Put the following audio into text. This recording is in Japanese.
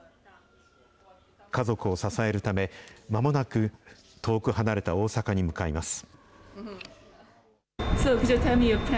家族を支えるため、まもなく、遠く離れた大阪に向かいます。